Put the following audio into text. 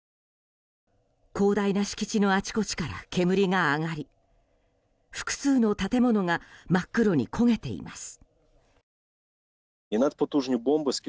広大な敷地のあちこちから煙が上がり複数の建物が真っ黒に焦げています。